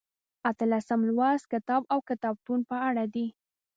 اتلسم لوست کتاب او کتابتون په اړه دی.